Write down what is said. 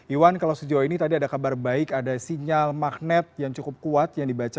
iwan kalau sejauh ini tadi ada kabar baik ada sinyal magnet yang cukup kuat yang dibaca